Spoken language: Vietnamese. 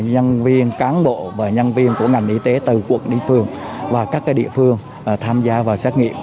nhân viên cán bộ và nhân viên của ngành y tế từ quận đi phường và các địa phương tham gia vào xét nghiệm